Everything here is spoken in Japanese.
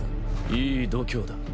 いい度胸だ。